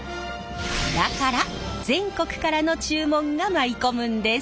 だから全国からの注文が舞い込むんです。